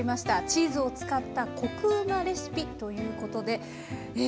チーズを使ったコクうまレシピということでえ